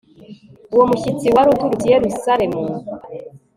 Uwo mushyitsi wari uturutse i Yerusalemu